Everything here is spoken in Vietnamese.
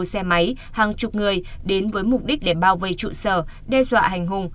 xe máy hàng chục người đến với mục đích để bao vây trụ sở đe dọa hành hùng